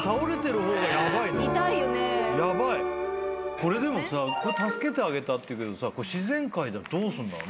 これでも助けてあげたっていうけどさ自然界ではどうすんだろ。